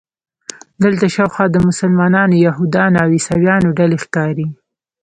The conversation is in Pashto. دلته شاوخوا د مسلمانانو، یهودانو او عیسویانو ډلې ښکاري.